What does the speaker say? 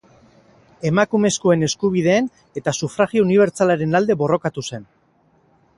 Emakumezkoen eskubideen eta sufragio unibertsalaren alde borrokatu zen.